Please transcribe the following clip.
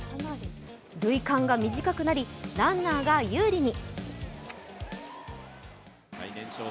塁間が短くなりランナーが有利に。